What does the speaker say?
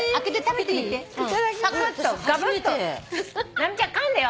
直美ちゃんかんでよ。